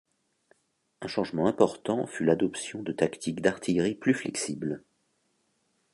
Un changement important fut l'adoption de tactiques d'artillerie plus flexible.